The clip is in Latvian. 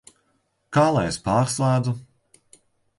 Kā lai es pārslēdzu?